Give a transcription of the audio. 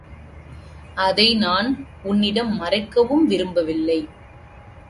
அதை நான் உன்னிடம் மறைக்கவும் விரும்பவில்லை.